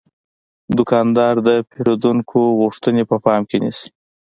دوکاندار د پیرودونکو غوښتنې په پام کې نیسي.